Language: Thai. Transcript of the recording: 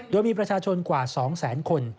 โดยมีประชาชนกว่า๒แสนคน